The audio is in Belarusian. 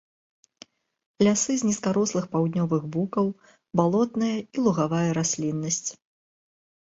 Лясы з нізкарослых паўднёвых букаў, балотная і лугавая расліннасць.